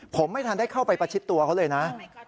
ผมไม่ทันได้เข้าไปประชิดตัวเขาเลยนะ